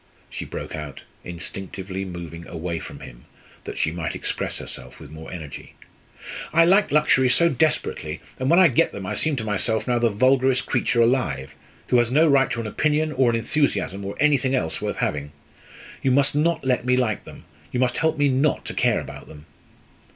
she broke out, instinctively moving away from him that she might express herself with more energy. "I like luxuries so desperately, and when I get them I seem to myself now the vulgarest creature alive, who has no right to an opinion or an enthusiasm, or anything else worth having. You must not let me like them you must help me not to care about them!"